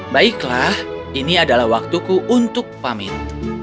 baiklah ini adalah waktuku untuk pamit